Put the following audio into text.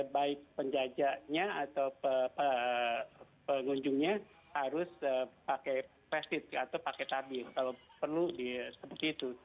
baik penjajahnya atau pengunjungnya harus pakai plastik atau pakai tabir kalau perlu seperti itu